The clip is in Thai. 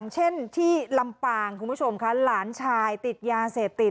เช่นที่ลำปางคุณผู้ชมค่ะหลานชายติดยาเสพติด